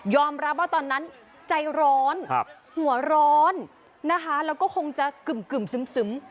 รับว่าตอนนั้นใจร้อนหัวร้อนนะคะแล้วก็คงจะกึ่มซึ้ม